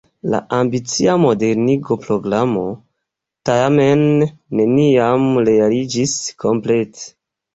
La ambicia modernigo-programo tamen neniam realiĝis komplete.